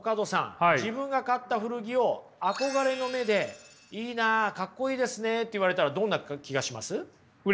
自分が買った古着を憧れの目で「いいなかっこいいですね」って言われたらどんな気がします？